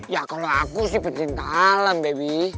ya kalau aku sih pencinta alam bebi